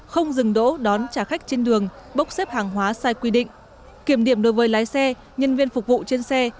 không dừng đỗ đón trả khách trên đường bốc xếp hàng hóa sai quy định kiểm điểm đối với lái xe nhân viên phục vụ trên xe